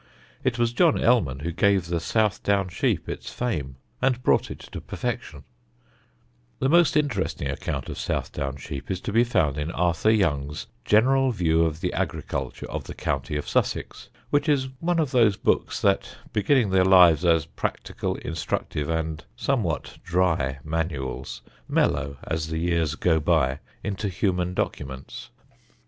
It was John Ellman who gave the South Down sheep its fame and brought it to perfection. [Sidenote: ARTHUR YOUNG] The most interesting account of South Down sheep is to be found in Arthur Young's General View of the Agriculture of the County of Sussex, which is one of those books that, beginning their lives as practical, instructive and somewhat dry manuals, mellow, as the years go by, into human documents.